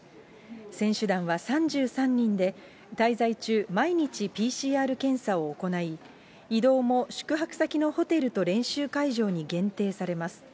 選手団は３３人で、滞在中、毎日ＰＣＲ検査を行い、移動も宿泊先のホテルと、練習会場に限定されます。